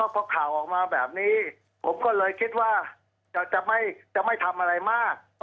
พอข่าวออกมาแบบนี้ผมก็เลยคิดว่าจะไม่ทำอะไรมาก